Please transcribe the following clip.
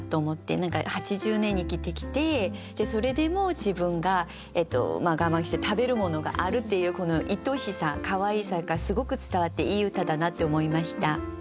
何か８０年生きてきてそれでも自分が我慢して食べるものがあるっていうこのいとしさかわいさがすごく伝わっていい歌だなって思いました。